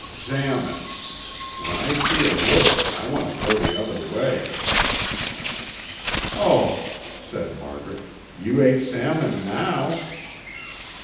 "Salmon! When I see a river, I want to go the other way." "Oh!" said Margaret "You ate salmon now?"